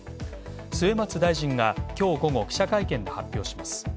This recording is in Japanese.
末松大臣が今日午後、記者会見で発表します。